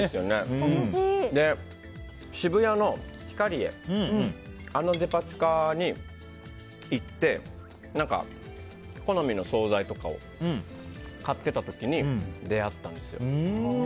渋谷のヒカリエのデパ地下に行って好みの総菜とかを買ってた時に出会ったんですよ。